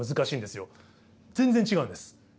全然違うんです。